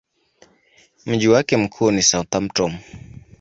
Mji wake mkuu ni Southampton.